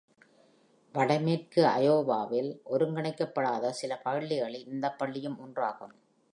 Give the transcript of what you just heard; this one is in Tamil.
வடமேற்கு அயோவாவில் ஒருங்கிணைக்கப்படாத சில பள்ளிகளில் இந்த பள்ளியும் ஒன்றாகும்.